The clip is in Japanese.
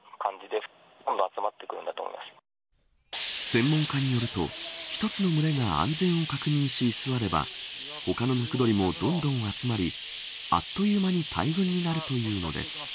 専門家によると１つの群れが安全を確認し、居座れば他のムクドリも、どんどん集まりあっという間に大群になるというのです。